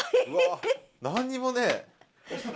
うわ何にもねえ。